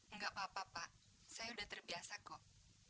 enggak apa apa pak saya sudah terbiasa kok